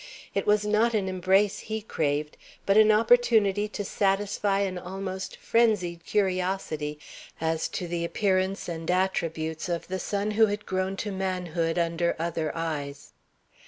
It was not an embrace he craved, but an opportunity to satisfy an almost frenzied curiosity as to the appearance and attributes of the son who had grown to manhood under other eyes.